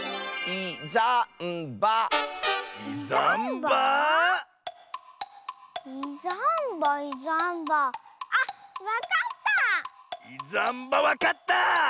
いざんばわかった！